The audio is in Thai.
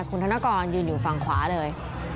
คุณธนกรยืนอยู่ฝั่งขวาเลย